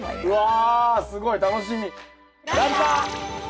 うわすごい楽しみ。